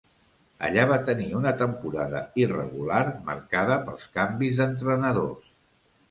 Allà va tenir una temporada irregular, marcada pels canvis d'entrenadors.